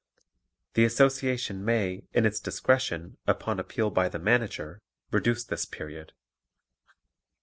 The Association may, in its discretion, upon appeal by the Manager, reduce this period.